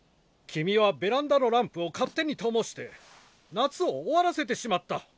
君はベランダのランプを勝手にともして夏を終わらせてしまった。